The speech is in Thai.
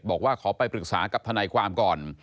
บอกว่าขอไปปรึกษากับทนายความก่อน